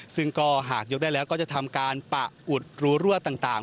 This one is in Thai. ซึ่งก็หากยกได้แล้วก็จะทำการปะอุดรูรั่วต่าง